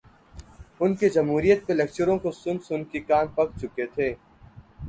ان کے جمہوریت پہ لیکچروں کو سن سن کے کان پک چکے تھے۔